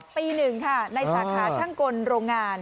ตี๑ค่ะในสาขาช่างกลโรงงาน